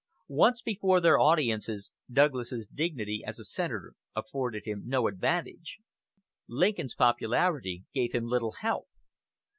Once before their audiences, Douglas's dignity as a senator afforded him no advantage, Lincoln's popularity gave him little help.